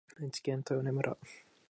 愛知県豊根村